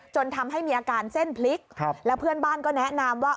จนทำให้มีอาการเส้นพลิกแล้วเพื่อนบ้านก็แนะนำว่า